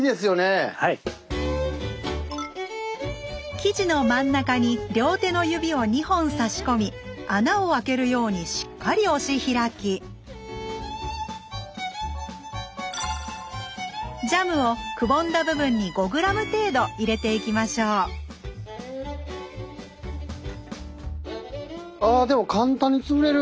生地の真ん中に両手の指を２本差し込み穴を開けるようにしっかり押し開きジャムをくぼんだ部分に５ｇ程度入れていきましょうあでも簡単に潰れる。